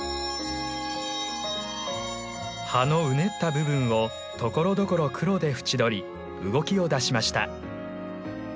葉のうねった部分をところどころ黒で縁取り動きを出しました。